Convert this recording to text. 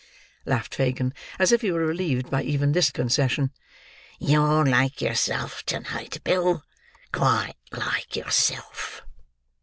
"Ha! ha! ha!" laughed Fagin, as if he were relieved by even this concession. "You're like yourself to night, Bill. Quite like yourself."